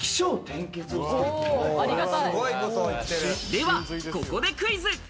では、ここでクイズ！